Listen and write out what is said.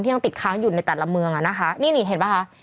ยังติดค้างอยู่ในแต่ละเมืองอ่ะนะคะนี่นี่เห็นป่ะคะ